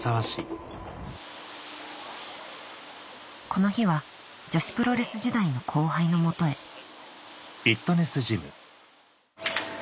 この日は女子プロレス時代の後輩の元へヤッホ！